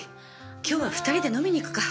今日は２人で飲みに行くか。